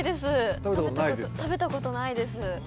食べたことないですか？